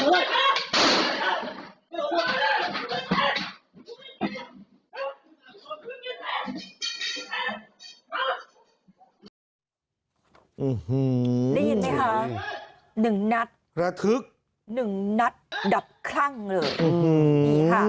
อื้อหือได้ยินมั้ยคะหนึ่งนัดระทึกหนึ่งนัดดับคลั่งเลยอื้อหือ